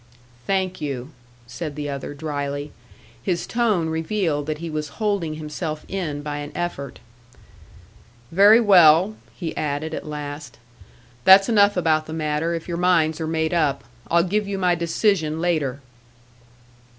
"Thank you," said the other, drily. His tone revealed that he was holding himself in by an effort. "Very well," he added, at last. "That's enough about the matter, if your minds are made up. I'll give you my decision later."